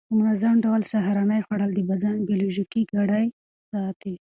په منظم ډول سهارنۍ خوړل د بدن بیولوژیکي ګړۍ ساتي.